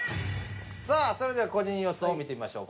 さあそれでは個人予想を見てみましょう。